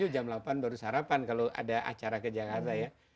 jam delapan baru sarapan kalau ada acara ke jakarta ya